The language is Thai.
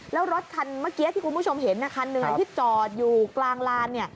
แล้วรถคันเมื่อกี้ที่คุณผู้ชมเห็นคันหนึ่งที่จอดอยู่กลางลาน